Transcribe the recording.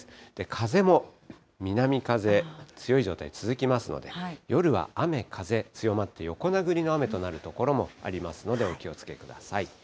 風も南風強い状態続きますので、夜は雨、風強まって、横殴りの雨となる所もありますので、お気をつけください。